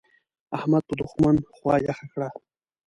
احمد په دوښمن خوا يخه کړه.